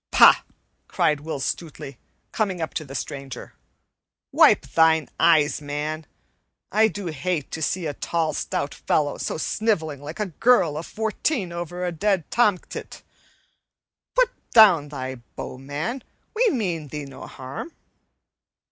"Pah!" cried Will Stutely, coming up to the stranger, "wipe thine eyes, man! I do hate to see a tall, stout fellow so sniveling like a girl of fourteen over a dead tomtit. Put down thy bow, man! We mean thee no harm."